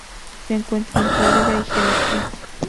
Se encuentra en Florida y Georgia.